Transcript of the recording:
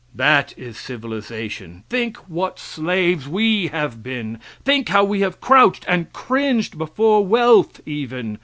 That is civilization. Think what slaves we have been! Think how we have crouched and cringed before wealth even!